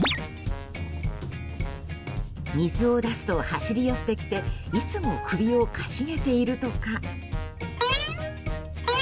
水を出すと走り寄ってきていつも首をかしげているとか。